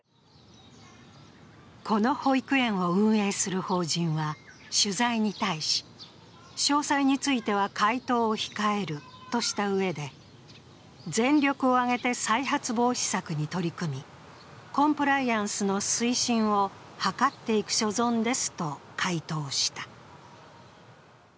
この保育園を運営する法人は取材に対し詳細については回答を控えるとしたうえで全力を挙げて再発防止策に取り組みコンプライアンスの推進を図っていく所存ですと回答した。